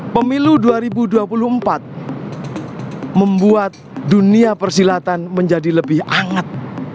pemilu dua ribu dua puluh empat membuat dunia persilatan menjadi lebih hangat